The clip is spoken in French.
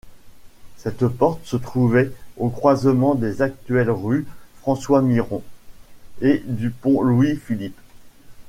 Cette porte se trouvait au croisement des actuelles rues François-Miron et du Pont-Louis-Philippe.